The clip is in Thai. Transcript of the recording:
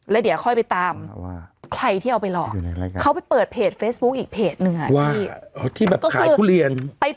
แล้วเดี๋ยวค่อยไปตามใครที่เอาไปหลอกเขาไปเปิดเพจเฟซบุ๊กอีกเพจนึง